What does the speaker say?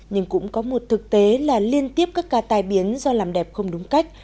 nhưng cũng có một thực tế là liên tiếp các ca tai biến do làm đẹp không đúng cách